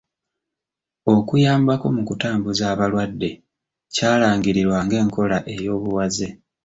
Okuyambako mu kutambuza abalwadde kyalangirirwa ng’enkola ey’obuwaze.